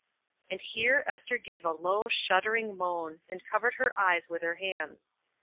And here Ester gave a low, shuddering moan, and covered her eyes with her hands.